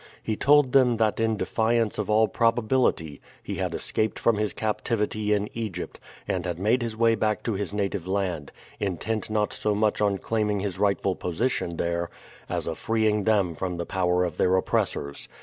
He told them that in defiance of all probability he had escaped from his captivity in Egypt and had made his way back to his native land, intent not so much on claiming his rightful position there as of freeing them from the power of their oppressors.